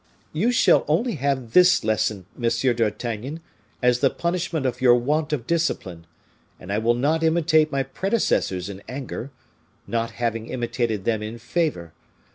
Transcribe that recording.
You shall only have this lesson, Monsieur d'Artagnan, as the punishment of your want of discipline, and I will not imitate my predecessors in anger, not having imitated them in favor.